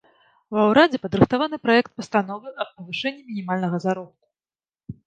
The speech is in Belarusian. Ва ўрадзе падрыхтаваны праект пастановы аб павышэнні мінімальнага заробку.